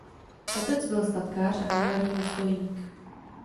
Otec byl statkář a bývalý důstojník.